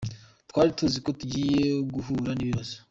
Twari tuzi ko tugiye guhura n’ibibazo.